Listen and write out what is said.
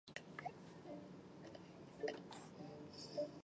香青兰为唇形科青兰属下的一个种。